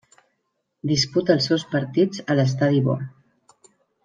Disputa els seus partits a l'Estadi Bo.